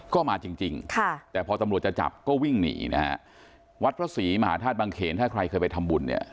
ก็มาจริงจริงค่ะแต่พอตำรวจจะจับก็วิ่งหนีนะฮะวัดพระศรีมหาธาตุบังเขนถ้าใครเคยไปทำบุญเนี่ย